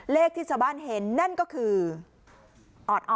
เลขที่ชาวบ้านเห็นนั่นก็คือออด